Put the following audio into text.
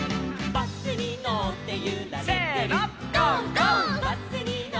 「バスにのってゆられてる」